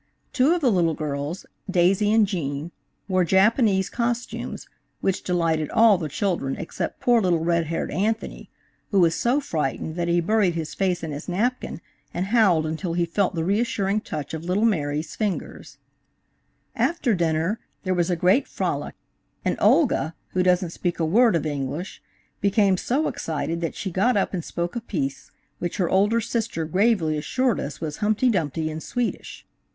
Two of the little girls, Daisy and Jean, wore Japanese cos tumes, which delighted all the children except poor little red haired Anthony, who was so frightened that he buried his face in his napkin and howled until he felt the reassuring touch of little Mary's fingers. DAISY AND JEAN. After dinner there was a great frolic, and Olga, who doesn't speak a word of English, became so excited that she got up and spoke a piece, which her older sister gravely assured us was Humpty Dumpty in Swedish.